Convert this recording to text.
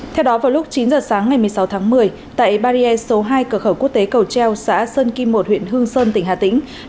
theo đó vào lúc chín giờ sáng ngày một mươi sáu tháng một mươi tại barrier số hai cửa khẩu quốc tế cầu treo xã sơn kim một huyện hương sơn tỉnh hà tĩnh